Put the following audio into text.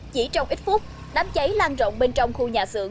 chỉ trong ít phút đám cháy lan rộng bên trong khu nhà xưởng